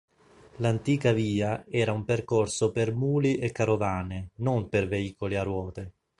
L'antica via era un percorso per muli e carovane, non per veicoli a ruote.